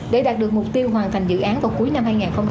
để đạt được mục tiêu hoàn thành dự án vào cuối năm hai nghìn hai mươi